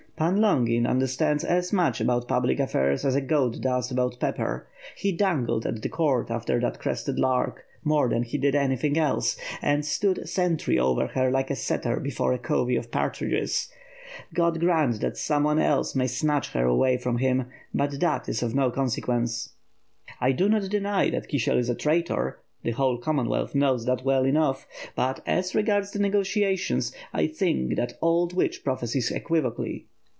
"Pan liongin understands as much about public affairs as a goat does about pepper. lie dangled a| the court after that crested lark, more than he did anything else, and stood sf*ntry over her like a setter before a covey of partridges. Ood grant that someone else may snatch her away from him — but that is of no consequence. I do not deny that Kisiel is a traitor, the whole Commonwealth knows that well enough, but as regards the negotiations, I think that old witch prophesies equivocally.''